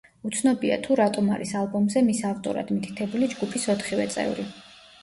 უცნობია, თუ რატომ არის ალბომზე მის ავტორად მითითებული ჯგუფის ოთხივე წევრი.